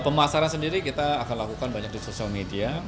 pemasaran sendiri kita akan lakukan banyak di sosial media